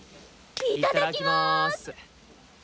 いただきます！